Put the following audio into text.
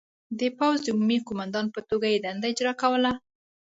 د پوځ د عمومي قوماندان په توګه یې دنده اجرا کوله.